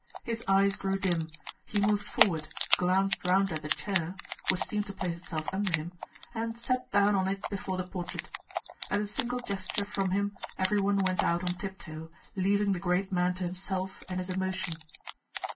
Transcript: His eyes grew dim, he moved forward, glanced round at a chair (which seemed to place itself under him), and sat down on it before the portrait. At a single gesture from him everyone went out on tiptoe, leaving the great man to himself and his emotion.